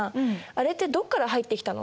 あれってどこから入ってきたの？